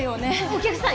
お客さん